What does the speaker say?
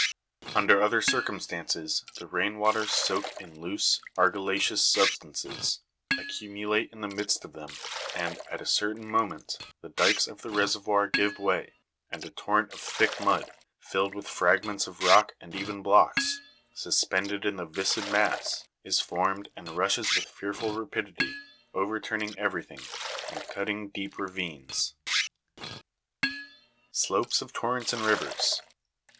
Under other circumstances, the rain waters soak in loose, argilla'ceons substances, accumulate in the* midst of them, and, at a certain moment, the dykes of the reservoir give way, and a torrent of thick mud, filled with fragments of rock and even blocks, suspended in the viscid mass, is formed, and rushes with fearful rapidity, overturning everything, and cutting deep ravines. 14. Slopes of torrents and rivers.